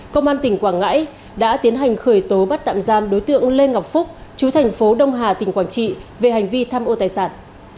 công an tỉnh quảng ngãi đã tiến hành khởi tố bắt tạm giam đối tượng lê ngọc phúc chú thành phố đông hà tỉnh quảng trị về hành vi tham ô tài sản